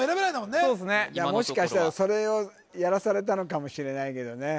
これもしかしたらそれをやらされたのかもしれないけどね